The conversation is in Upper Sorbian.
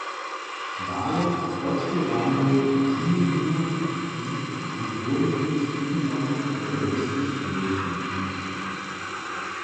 Dale podpěramy wuměnu z kulturnymi skupinami europskich mjeńšin.